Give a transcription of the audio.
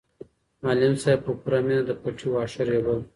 معلم صاحب په پوره مینه د پټي واښه رېبل.